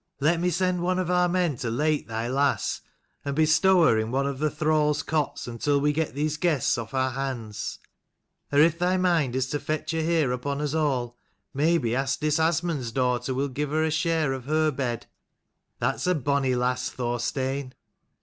Let me send one of our men to lait thy lass, and bestow her in one of the thrall's cots until we get these guests off our hands: or if thy mind is to fetch her here upon us all, maybe Asdis Asmund's daughter will give her a share of her bed. That's a bonny lass, Thorstein."